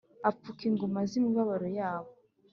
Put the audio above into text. apfuka inguma z’imibabaro yabo”